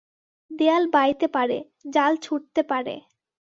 দেয়াল বাইতে পারে, জাল ছুড়তে পারে।